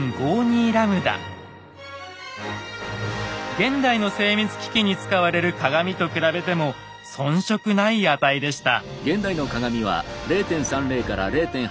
現代の精密機器に使われる鏡と比べても遜色ない値でした。